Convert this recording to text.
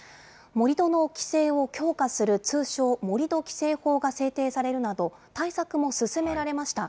盛り土の規制を強化する、通称、盛土規制法が制定されるなど、対策も進められました。